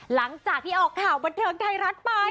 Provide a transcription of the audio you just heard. หลังจากที่ออกข่าวบันเทิงไทยรัฐไป